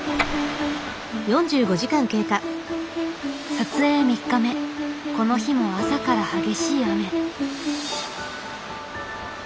撮影３日目この日も朝から激しい雨。